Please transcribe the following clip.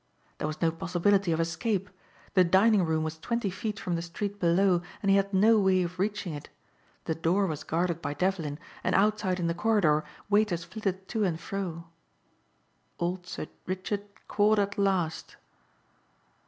There was no possibility of escape. The dining room was twenty feet from the street below and he had no way of reaching it. The door was guarded by Devlin and outside in the corridor waiters flitted to and fro. "Old Sir Richard caught at last."